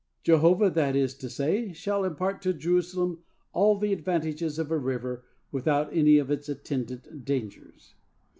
Jehovah, that is to say, shall impart to Jerusalem all the advantages of a river without any of its attendant dangers.